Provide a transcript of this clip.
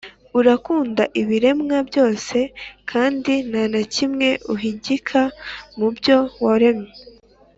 Ukunda ibiremwa byose kandi nta na kimwe uhigika mu byo waremye,